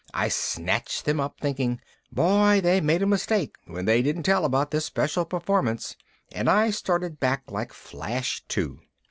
I snatched them up, thinking, Boy, they made a mistake when they didn't tell about this special performance, and I started back like Flash Two.